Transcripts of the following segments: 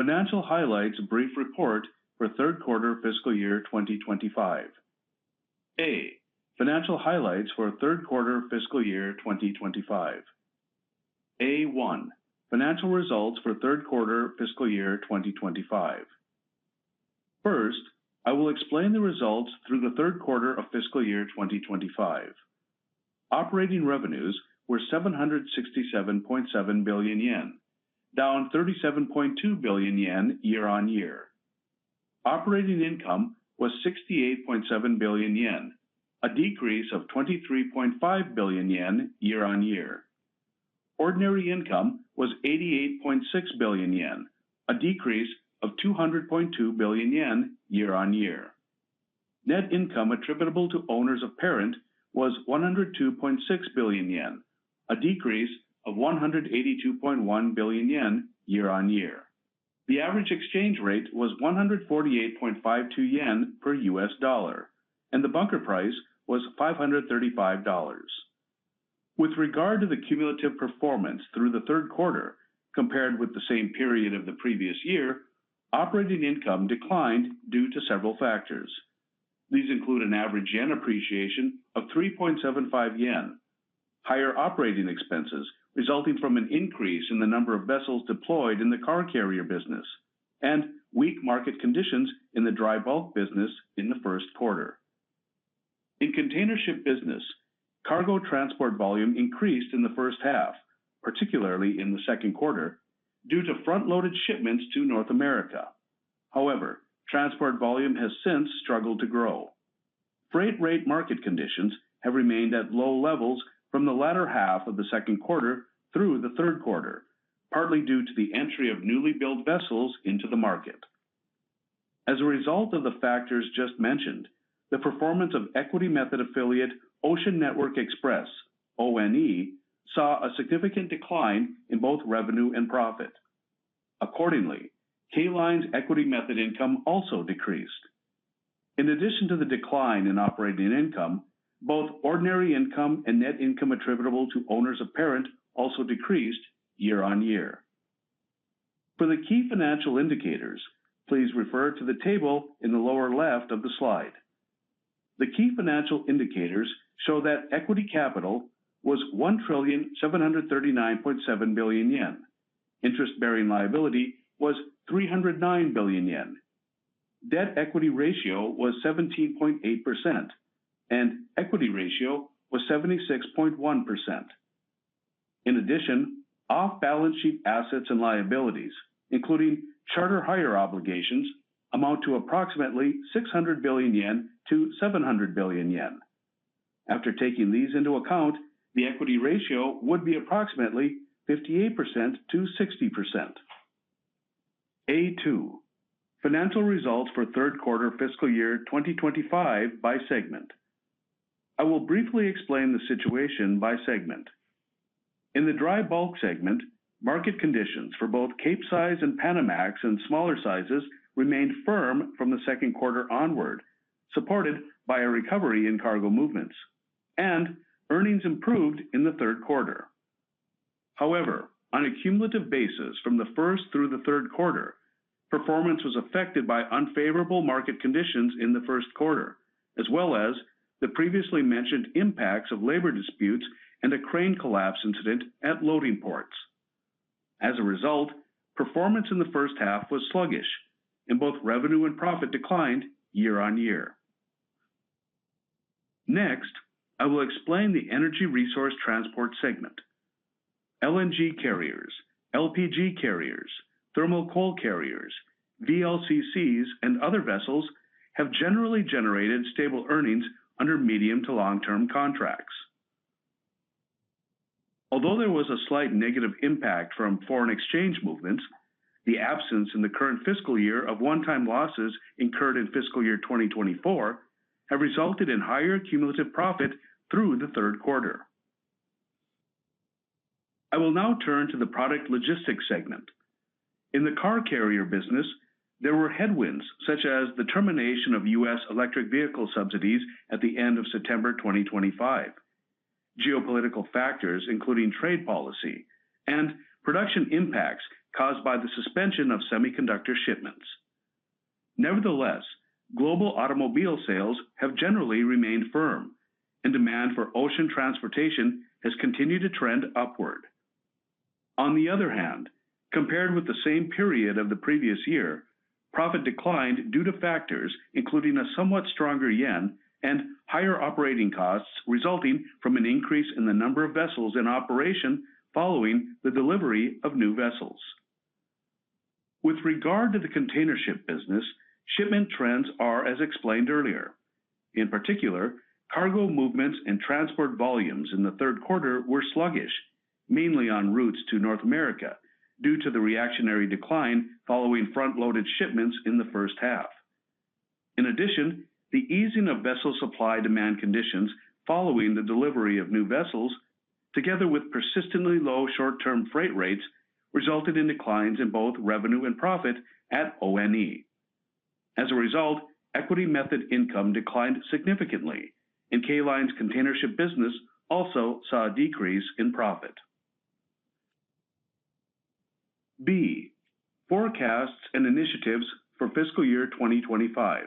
Financial highlights brief report for third quarter fiscal year 2025. A, financial highlights for third quarter fiscal year 2025. A, 1, financial results for third quarter fiscal year 2025. First, I will explain the results through the third quarter of fiscal year 2025. Operating revenues were 767.7 billion yen, down 37.2 billion yen year-on-year. Operating income was 68.7 billion yen, a decrease of 23.5 billion yen year-on-year. Ordinary income was 88.6 billion yen, a decrease of 200.2 billion yen year-on-year. Net income attributable to owners of parent was 102.6 billion yen, a decrease of 182.1 billion yen year-on-year. The average exchange rate was 148.52 yen per US dollar, and the bunker price was $535. With regard to the cumulative performance through the 3rd quarter compared with the same period of the previous year, operating income declined due to several factors. These include an average yen appreciation of 3.75 yen, higher operating expenses resulting from an increase in the number of vessels deployed in the car carrier business, and weak market conditions in the dry bulk business in the 1st quarter. In container ship business, cargo transport volume increased in the 1st half, particularly in the 2nd quarter, due to front-loaded shipments to North America. However, transport volume has since struggled to grow. Freight rate market conditions have remained at low levels from the latter half of the second quarter through the third quarter, partly due to the entry of newly built vessels into the market. As a result of the factors just mentioned, the performance of equity method affiliate, Ocean Network Express (ONE) saw a significant decline in both revenue and profit. Accordingly, 'K' LINE's equity method income also decreased. In addition to the decline in operating income, both ordinary income and net income attributable to owners of parent also decreased year-on-year. For the key financial indicators, please refer to the table in the lower left of the slide. The key financial indicators show that equity capital was 1,739.7 billion yen. Interest-bearing liability was 309 billion yen. Debt equity ratio was 17.8%, and equity ratio was 76.1%. In addition, off-balance-sheet assets and liabilities, including charter hire obligations, amount to approximately 600 billion-700 billion yen. After taking these into account, the equity ratio would be approximately 58%-60%. A, 2, financial results for third quarter fiscal year 2025 by segment. I will briefly explain the situation by segment. In the Dry Bulk segment, market conditions for both Capesize and Panamax and smaller sizes remained firm from the second quarter onward, supported by a recovery in cargo movements, and earnings improved in the third quarter. However, on a cumulative basis, from the first through the third quarter, performance was affected by unfavorable market conditions in the first quarter, as well as the previously mentioned impacts of labor disputes and a crane collapse incident at loading ports. As a result, performance in the first half was sluggish, and both revenue and profit declined year-on-year. Next, I will explain the Energy Resource Transport segment. LNG carriers, LPG carriers, thermal coal carriers, VLCCs, and other vessels have generally generated stable earnings under medium to long-term contracts. Although there was a slight negative impact from foreign exchange movements, the absence in the current fiscal year of one-time losses incurred in fiscal year 2024 have resulted in higher cumulative profit through the third quarter. I will now turn to the Product Logistics segment. In the car carrier business, there were headwinds such as the termination of U.S. electric vehicle subsidies at the end of September 2025, geopolitical factors, including trade policy, and production impacts caused by the suspension of semiconductor shipments. Nevertheless, global automobile sales have generally remained firm, and demand for ocean transportation has continued to trend upward. On the other hand, compared with the same period of the previous year, profit declined due to factors including a somewhat stronger yen and higher operating costs resulting from an increase in the number of vessels in operation following the delivery of new vessels. With regard to the container ship business, shipment trends are, as explained earlier. In particular, cargo movements and transport volumes in the third quarter were sluggish, mainly on routes to North America, due to the reactionary decline following front-loaded shipments in the first half. In addition, the easing of vessel supply-demand conditions following the delivery of new vessels, together with persistently low short-term freight rates, resulted in declines in both revenue and profit at ONE. As a result, equity method income declined significantly, and 'K' LINE's container ship business also saw a decrease in profit. B, forecasts and initiatives for fiscal year 2025.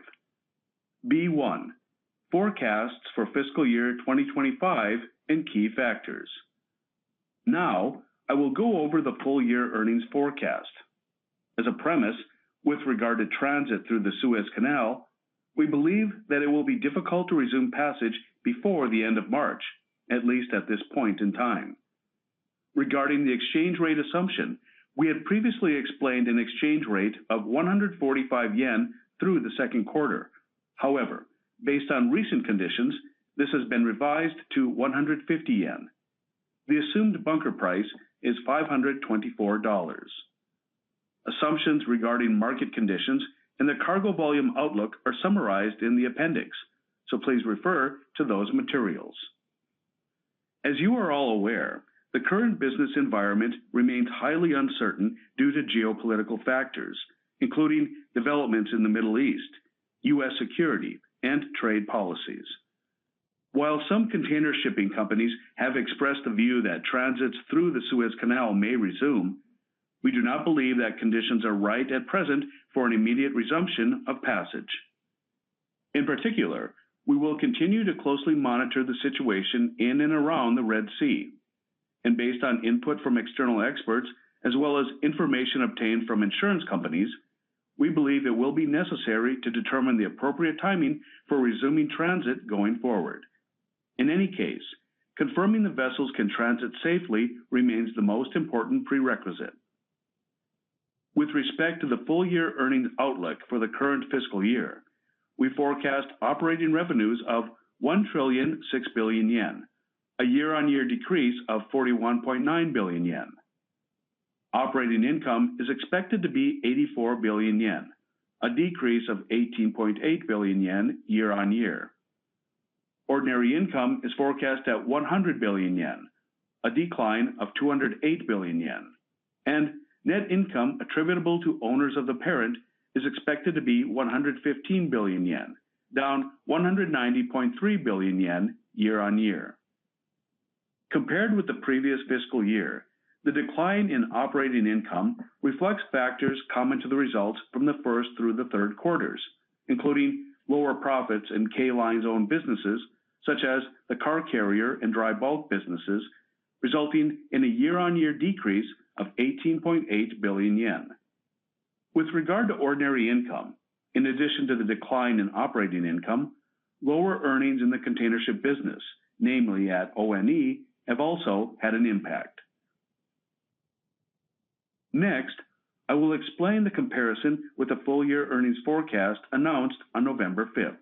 B, 1, forecasts for fiscal year 2025 and key factors. Now, I will go over the full year earnings forecast. As a premise, with regard to transit through the Suez Canal, we believe that it will be difficult to resume passage before the end of March, at least at this point in time. Regarding the exchange rate assumption, we had previously explained an exchange rate of 145 yen through the second quarter. Based on recent conditions, this has been revised to 150 yen. The assumed bunker price is $524. Assumptions regarding market conditions and the cargo volume outlook are summarized in the appendix, so please refer to those materials. As you are all aware, the current business environment remains highly uncertain due to geopolitical factors, including developments in the Middle East, U.S. security, and trade policies. While some container shipping companies have expressed the view that transits through the Suez Canal may resume, we do not believe that conditions are right at present for an immediate resumption of passage. In particular, we will continue to closely monitor the situation in and around the Red Sea, and based on input from external experts, as well as information obtained from insurance companies, we believe it will be necessary to determine the appropriate timing for resuming transit going forward. In any case, confirming the vessels can transit safely remains the most important prerequisite. With respect to the full year earnings outlook for the current fiscal year, we forecast operating revenues of 1,006 billion yen, a year-on-year decrease of 41.9 billion yen. Operating income is expected to be 84 billion yen, a decrease of 18.8 billion yen year-on-year. Ordinary income is forecast at 100 billion yen, a decline of 208 billion yen, and net income attributable to owners of the parent is expected to be 115 billion yen, down 190.3 billion yen year-on-year. Compared with the previous fiscal year, the decline in operating income reflects factors common to the results from the first through the third quarters, including lower profits in 'K' LINE's own businesses, such as the car carrier and Dry Bulk businesses, resulting in a year-on-year decrease of 18.8 billion yen. With regard to ordinary income, in addition to the decline in operating income, lower earnings in the container ship business, namely at ONE, have also had an impact. Next, I will explain the comparison with the full year earnings forecast announced on November 5th.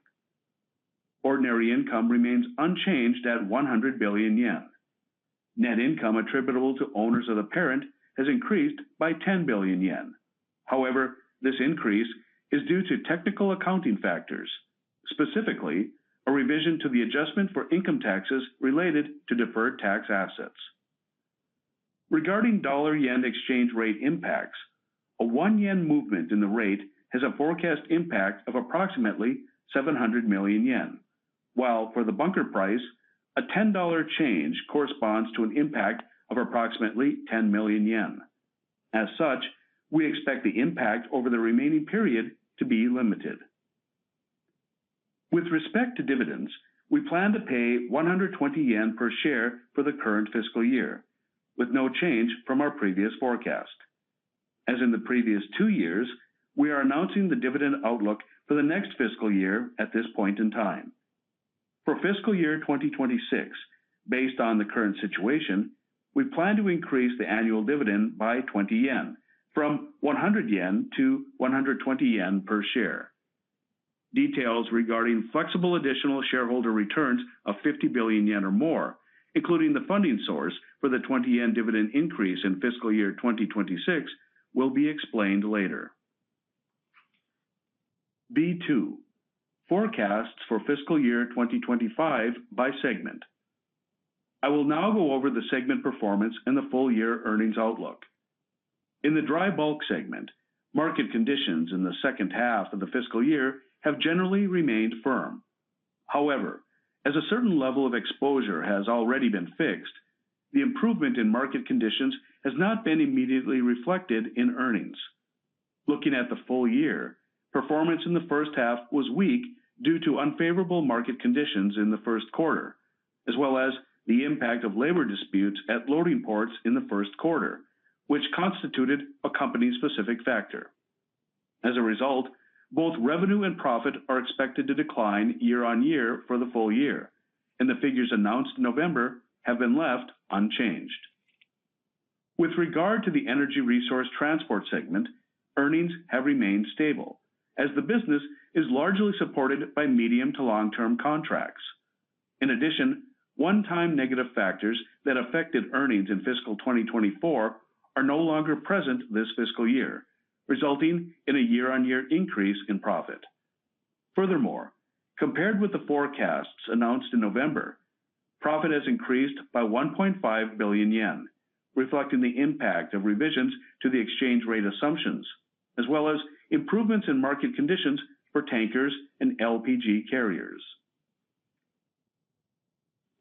Ordinary income remains unchanged at 100 billion yen. Net income attributable to owners of the parent has increased by 10 billion yen. However, this increase is due to technical accounting factors, specifically, a revision to the adjustment for income taxes related to deferred tax assets. Regarding dollar-yen exchange rate impacts, a one yen movement in the rate has a forecast impact of approximately 700 million yen, while for the bunker price, a $10 change corresponds to an impact of approximately 10 million yen. As such, we expect the impact over the remaining period to be limited. With respect to dividends, we plan to pay 120 yen per share for the current fiscal year, with no change from our previous forecast. As in the previous two years, we are announcing the dividend outlook for the next fiscal year at this point in time. For fiscal year 2026, based on the current situation, we plan to increase the annual dividend by 20 yen, from 100 yen to 120 yen per share. Details regarding flexible additional shareholder returns of 50 billion yen or more, including the funding source for the 20 yen dividend increase in fiscal year 2026, will be explained later. B-two, forecasts for fiscal year 2025 by segment. I will now go over the segment performance and the full year earnings outlook. In the Dry Bulk segment, market conditions in the second half of the fiscal year have generally remained firm. However, as a certain level of exposure has already been fixed, the improvement in market conditions has not been immediately reflected in earnings. Looking at the full year, performance in the first half was weak due to unfavorable market conditions in the first quarter, as well as the impact of labor disputes at loading ports in the first quarter, which constituted a company-specific factor. As a result, both revenue and profit are expected to decline year-on-year for the full year, and the figures announced in November have been left unchanged. With regard to the Energy Resource Transport segment, earnings have remained stable, as the business is largely supported by medium to long-term contracts. In addition, one-time negative factors that affected earnings in fiscal 2024 are no longer present this fiscal year, resulting in a year-on-year increase in profit. Compared with the forecasts announced in November, profit has increased by 1.5 billion yen, reflecting the impact of revisions to the exchange rate assumptions, as well as improvements in market conditions for tankers and LPG carriers.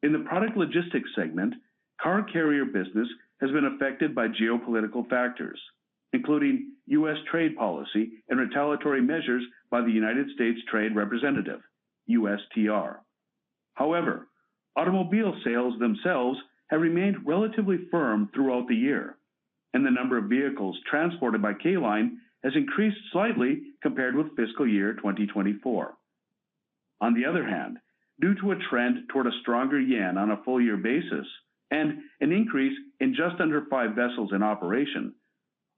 In the Product Logistics segment, car carrier business has been affected by geopolitical factors, including U.S. trade policy and retaliatory measures by the United States Trade Representative, USTR. However, automobile sales themselves have remained relatively firm throughout the year, and the number of vehicles transported by 'K' LINE has increased slightly compared with fiscal year 2024. On the other hand, due to a trend toward a stronger yen on a full year basis and an increase in just under 5 vessels in operation,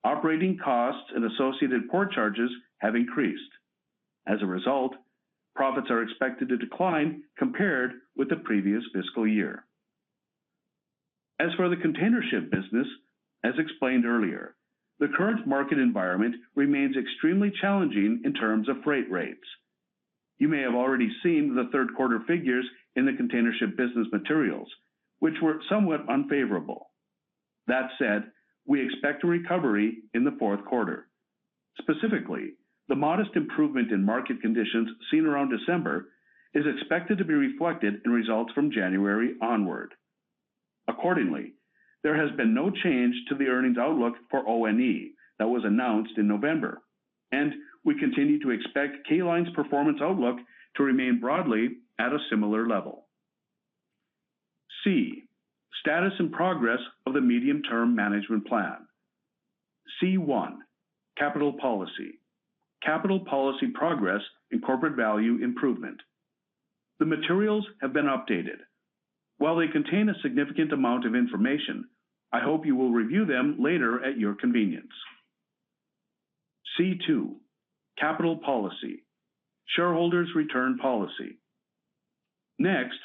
operating costs and associated port charges have increased. As a result, profits are expected to decline compared with the previous fiscal year. As for the container ship business, as explained earlier, the current market environment remains extremely challenging in terms of freight rates. You may have already seen the third quarter figures in the container ship business materials, which were somewhat unfavorable. That said, we expect a recovery in the fourth quarter. Specifically, the modest improvement in market conditions seen around December is expected to be reflected in results from January onward. Accordingly, there has been no change to the earnings outlook for ONE that was announced in November, and we continue to expect 'K' LINE's performance outlook to remain broadly at a similar level. C, status and progress of the medium-term management plan. C, 1, capital policy. Capital policy progress and corporate value improvement. The materials have been updated. While they contain a significant amount of information, I hope you will review them later at your convenience. C, 2, capital policy. Shareholders return policy. Next,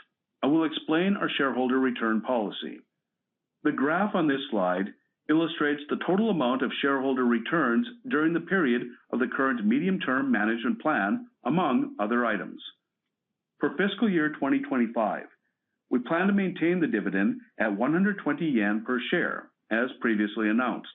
I will explain our shareholder return policy. The graph on this slide illustrates the total amount of shareholder returns during the period of the current medium-term management plan, among other items. For fiscal year 2025, we plan to maintain the dividend at 120 yen per share, as previously announced.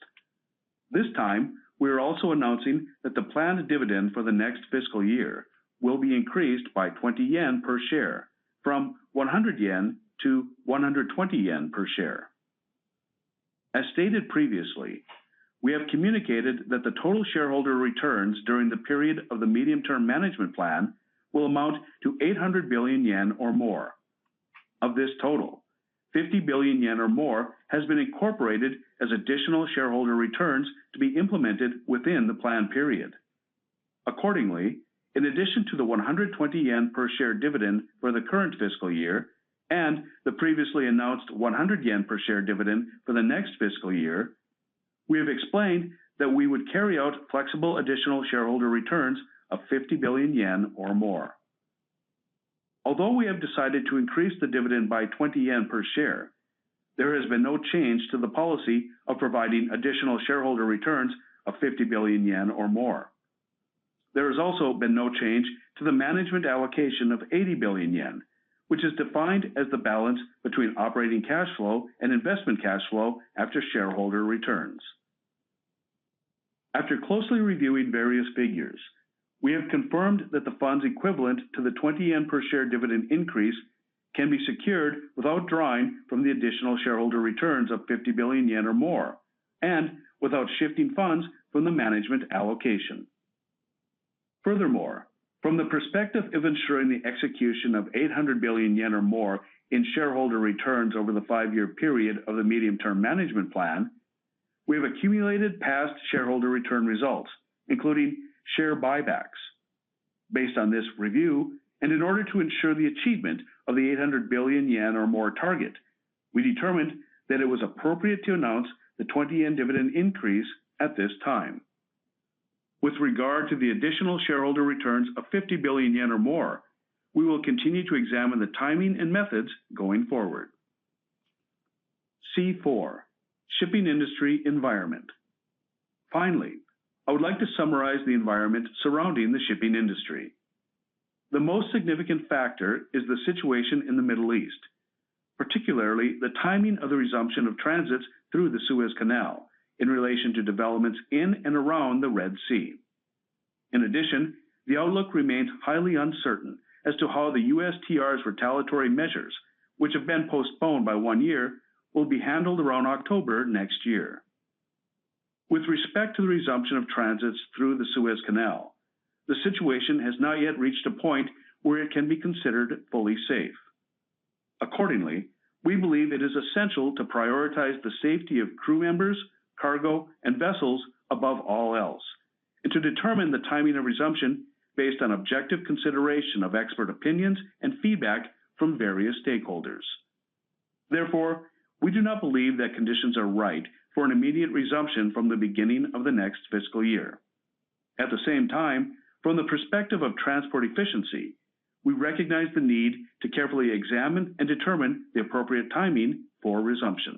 This time, we are also announcing that the planned dividend for the next fiscal year will be increased by 20 yen per share, from 100 yen to 120 yen per share. As stated previously, we have communicated that the total shareholder returns during the period of the medium-term management plan will amount to 800 billion yen or more. Of this total, 50 billion yen or more has been incorporated as additional shareholder returns to be implemented within the plan period. Accordingly, in addition to the 120 yen per share dividend for the current fiscal year and the previously announced 100 yen per share dividend for the next fiscal year, we have explained that we would carry out flexible additional shareholder returns of 50 billion yen or more. Although we have decided to increase the dividend by 20 yen per share, there has been no change to the policy of providing additional shareholder returns of 50 billion yen or more. There has also been no change to the management allocation of 80 billion yen, which is defined as the balance between operating cash flow and investment cash flow after shareholder returns. After closely reviewing various figures, we have confirmed that the funds equivalent to the 20 yen per share dividend increase can be secured without drawing from the additional shareholder returns of 50 billion yen or more, and without shifting funds from the management allocation. Furthermore, from the perspective of ensuring the execution of 800 billion yen or more in shareholder returns over the 5-year period of the medium-term management plan, we have accumulated past shareholder return results, including share buybacks. Based on this review, and in order to ensure the achievement of the 800 billion yen or more target, we determined that it was appropriate to announce the 20 yen dividend increase at this time. With regard to the additional shareholder returns of 50 billion yen or more, we will continue to examine the timing and methods going forward. C4, shipping industry environment. Finally, I would like to summarize the environment surrounding the shipping industry. The most significant factor is the situation in the Middle East, particularly the timing of the resumption of transits through the Suez Canal in relation to developments in and around the Red Sea. In addition, the outlook remains highly uncertain as to how the USTR's retaliatory measures, which have been postponed by one year, will be handled around October next year. With respect to the resumption of transits through the Suez Canal, the situation has not yet reached a point where it can be considered fully safe. Accordingly, we believe it is essential to prioritize the safety of crew members, cargo, and vessels above all else, and to determine the timing of resumption based on objective consideration of expert opinions and feedback from various stakeholders. Therefore, we do not believe that conditions are right for an immediate resumption from the beginning of the next fiscal year. At the same time, from the perspective of transport efficiency, we recognize the need to carefully examine and determine the appropriate timing for resumption.